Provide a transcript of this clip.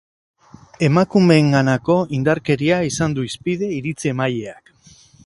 Emakumeenganako indarkeria izan du hizpide iritzi-emaileak.